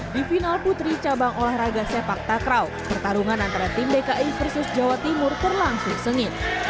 di final putri cabang olahraga sepak takraw pertarungan antara tim dki versus jawa timur berlangsung sengit